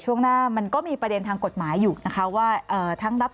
ช่วงหน้ามันก็มีประเด็นทางกฎหมายอยู่นะคะว่าทั้งรับ